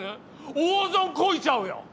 大損こいちゃうよ！